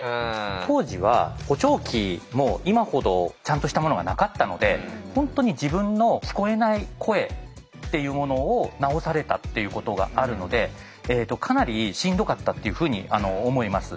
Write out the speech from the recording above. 当時は補聴器も今ほどちゃんとしたものがなかったので本当に自分の聞こえない声っていうものを直されたっていうことがあるのでかなりしんどかったっていうふうに思います。